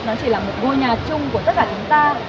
nó chỉ là một ngôi nhà chung của tất cả chúng ta